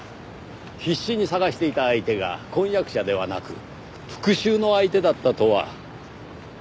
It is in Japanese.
必死に捜していた相手が婚約者ではなく復讐の相手だったとは。